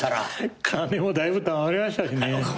金もだいぶたまりましたしね。